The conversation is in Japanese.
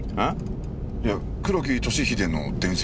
いや黒木俊英の伝説